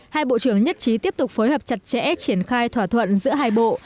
hai bộ trưởng nhất trí tiếp tục phối hợp chặt chẽ triển khai thỏa thuận giữa hai bộ